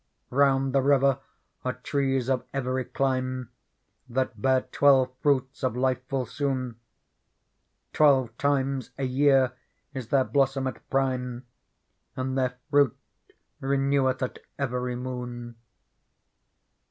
Round that" river are trees of every clime, That bear twelve fruits of life full soon ; Twelve times a year is their blossom at prime. And their fruit reneweth at every moon.